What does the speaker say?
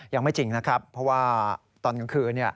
ยังไม่จริงนะครับเพราะว่าตอนกลางคืน